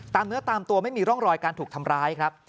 เนื้อตามตัวไม่มีร่องรอยการถูกทำร้ายครับ